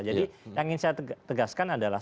jadi yang ingin saya tegaskan adalah